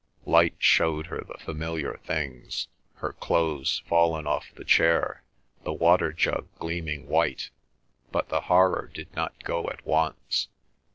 Light showed her the familiar things: her clothes, fallen off the chair; the water jug gleaming white; but the horror did not go at once.